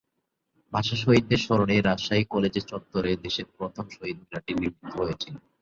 ভাষা শহীদদের স্মরণে রাজশাহী কলেজ চত্বরে দেশের প্রথম শহীদ মিনারটি নির্মিত হয়েছিল।